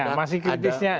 ya masih kritisnya